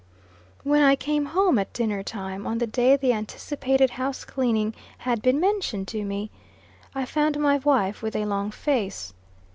When I came home at dinner time, on the day the anticipated house cleaning had been mentioned to me, I found my wife with a long face.